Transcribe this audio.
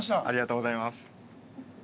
ありがとうございます。